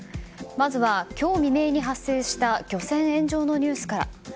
まずは今日未明に発生した漁船炎上のニュースから。